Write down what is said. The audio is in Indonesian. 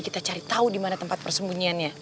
kita cari tau dimana tempat persembunyiannya